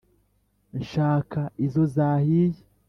nshaka iyo zahiye